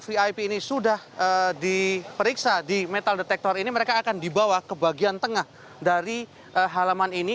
vip ini sudah diperiksa di metal detektor ini mereka akan dibawa ke bagian tengah dari halaman ini